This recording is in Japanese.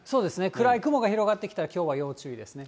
暗い雲が広がってきたら、きょうは要注意ですね。